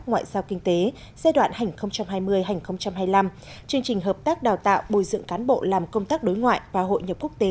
ngoại giao kinh tế giai đoạn hành hai mươi hai nghìn hai mươi năm chương trình hợp tác đào tạo bồi dưỡng cán bộ làm công tác đối ngoại và hội nhập quốc tế